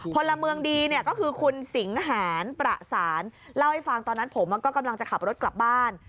พลเมืองดีเนี่ยก็คือคุณสิงหารประสานเล่าให้ฟังตอนนั้นผมก็กำลังจะขับรถกลับบ้าน